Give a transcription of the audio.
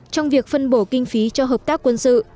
trong việc phân bổ kinh phí cho hợp tác quân sự